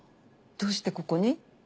どうしてここに？